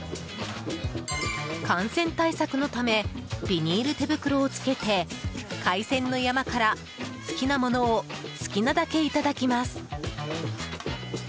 感染対策のためビニール手袋を着けて海鮮の山から好きなものを好きなだけいただきます。